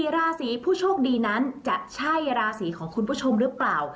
ราศีผู้โชคดีนั้นจะใช่ราศีของคุณผู้ชมหรือเปล่า